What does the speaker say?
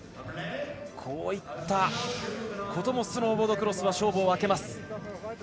こういったこともスノーボードクロスは勝負を分けます。